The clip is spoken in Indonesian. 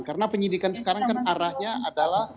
karena penyidikan sekarang kan arahnya adalah